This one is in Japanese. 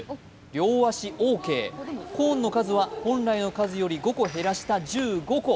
両足オーケーコーンの数は本来の数より５個減らした１５個。